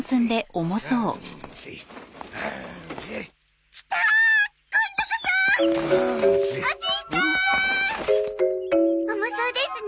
重そうですね。